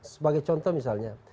sebagai contoh misalnya